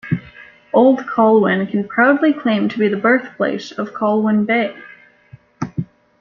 Old Colwyn can proudly claim to be the birthplace of Colwyn Bay.